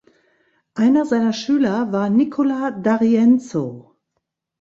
Einer seiner Schüler war Nicola D’Arienzo.